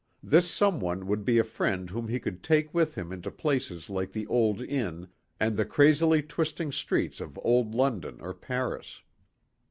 This someone would be a friend whom he could take with him into places like the old inn and the crazily twisting streets of old London or Paris.